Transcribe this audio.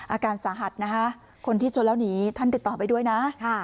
อาการสาหัสนะคะคนที่ชนแล้วหนีท่านติดต่อไปด้วยนะ